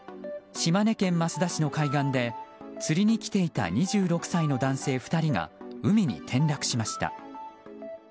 島根県益田市の海岸で釣りに来ていた２６歳の男性２人が海に転落しました。